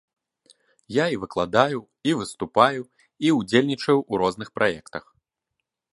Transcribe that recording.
Я і выкладаю, і выступаю, і ўдзельнічаю ў розных праектах.